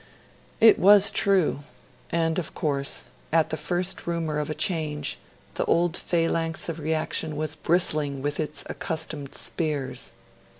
It was true; and of course, at the, first rumour of a change, the old phalanx of reaction was bristling with its accustomed spears.